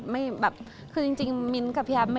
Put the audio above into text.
ไม่ได้คุยเหมือนกันค่ะ